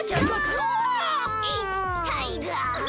いったいが。